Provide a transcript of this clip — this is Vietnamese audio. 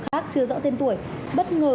khác chưa rõ tên tuổi bất ngờ